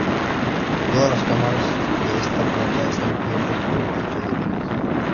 Todas las cámaras de esta planta están cubiertas por un techo de vigas.